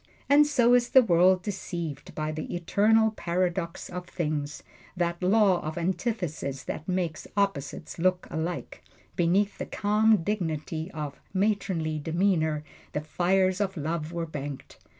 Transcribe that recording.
And so is the world deceived by the Eternal Paradox of things that law of antithesis which makes opposites look alike. Beneath the calm dignity of matronly demeanor the fires of love were banked.